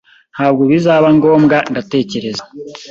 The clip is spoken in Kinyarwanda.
Ntabwo bizaba ngombwa, ndatekereza.